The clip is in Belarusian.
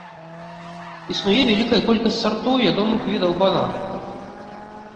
Існуе вялікая колькасць сартоў ядомых відаў банана.